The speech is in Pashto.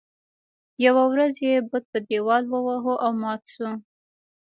يوه ورځ یې بت په دیوال وواهه او مات شو.